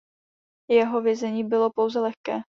Jeho vězení bylo pouze lehké.